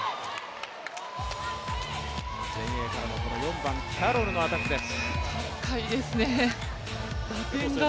前衛からの４番、キャロルのアタックです。